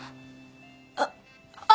あっあっ